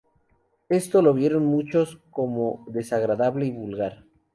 Esto lo vieron muchos como desagradable y vulgar.